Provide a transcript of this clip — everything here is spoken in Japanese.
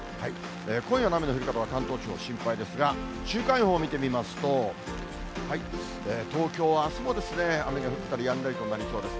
今夜の雨の降り方は関東地方、心配ですが、週間予報を見てみますと、東京はあすも雨が降ったりやんだりとなりそうです。